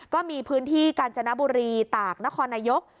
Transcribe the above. ก็มีพื้นที่กาญจนบุรีตากนครนายก